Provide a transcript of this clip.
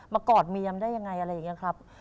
กอดเมียมได้ยังไงอะไรอย่างนี้ครับ